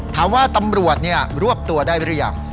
ถามว่าตำรวจรวบตัวได้หรือยัง